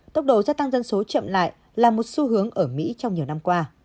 tốc độ gia tăng dân số chậm lại là một xu hướng ở mỹ trong nhiều năm qua